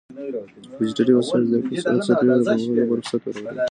ډيجيټلي وسايل زده کړې سرعت زياتوي او د پرمختګ لپاره فرصت برابروي.